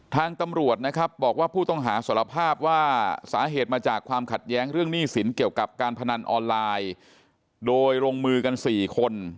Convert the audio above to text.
ทางตำรวจนะครับบอกว่าผู้ต้องหาสารภาพว่าสาเหตุมาจากความขัดแย้งเรื่องหนี้สินเกี่ยวกับการพนันออนไลน์โดยลงมือกัน๔คน